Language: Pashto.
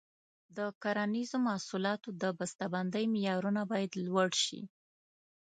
د کرنیزو محصولاتو د بسته بندۍ معیارونه باید لوړ شي.